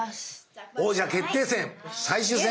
王者決定戦最終戦！